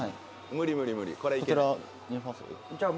無理無理無理。